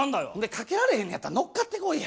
かけられへんのやったら乗っかってこいや。